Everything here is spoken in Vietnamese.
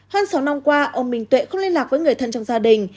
hơn sáu năm qua ông minh tuệ không liên lạc với người thân trong gia đình